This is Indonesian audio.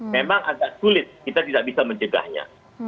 memang agak sulit kita tidak bisa mencegahnya